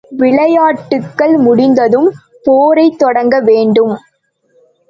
விளேயாட்டுக்கள் முடிந்ததும் போரைத் தொடங்க வேண்டும்.